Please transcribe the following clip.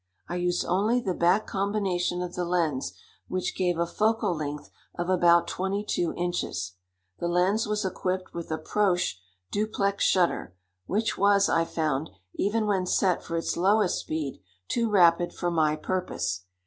I used only the back combination of the lens, which gave a focal length of about twenty two inches. The lens was equipped with a Prosch duplex shutter, which was, I found, even when set for its lowest speed, too rapid for my purpose.